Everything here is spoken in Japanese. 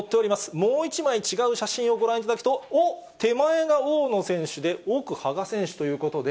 もう１枚違う写真をご覧いただくと、おっ、手前が大野選手で、奥、羽賀選手ということで。